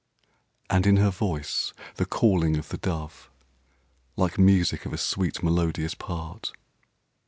And in her voice, the calling of the dove; Like music of a sweet, melodious part.